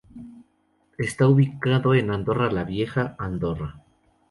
Está ubicado en Andorra la Vieja, Andorra.